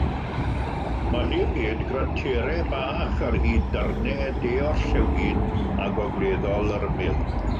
Mae hefyd graterau bach ar hyd darnau de-orllewin a gogleddol yr ymyl.